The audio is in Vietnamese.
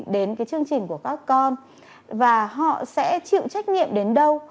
đến cái chương trình của các con và họ sẽ chịu trách nhiệm đến đâu